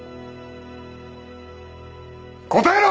答えろ！